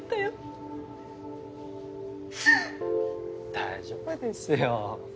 大丈夫ですよ。